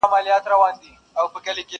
توره شپه ده مرمۍ اوري نه پوهیږو څوک مو ولي.!